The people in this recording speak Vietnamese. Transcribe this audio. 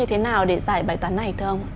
thế nào để giải bài toán này thưa ông